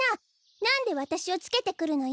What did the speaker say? なんでわたしをつけてくるのよ！